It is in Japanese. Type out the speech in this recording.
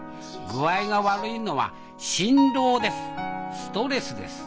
具合が悪いのは心労です。